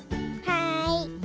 はい。